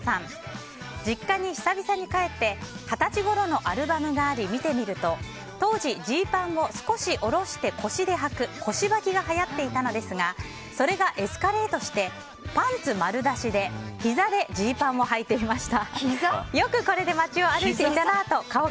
実家に久々に帰って二十歳ごろのアルバムがあって見てみると、当時ジーパンを少し下ろして腰ではく、腰ばきがはやっていたのですがそれがエスカレートしてパンツ丸出しでひざではいていました。